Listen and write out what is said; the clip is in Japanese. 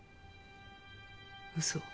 うそ。